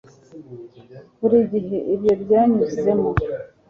buri gihe ibyo byanyuzemo